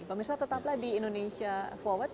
pemirsa tetaplah di indonesia forward